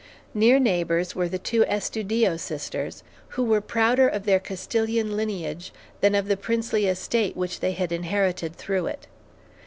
Near neighbors were the two Estudillo sisters, who were prouder of their Castilian lineage than of the princely estate which they had inherited through it.